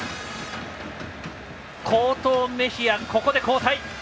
好投メヒア、ここで交代。